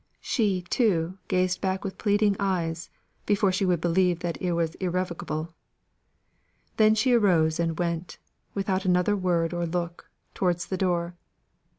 She, too, gazed back with pleading eyes before she would believe it was irrevocable. Then she arose and went, without another word or look, towards the door.